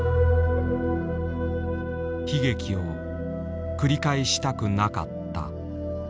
悲劇を繰り返したくなかった。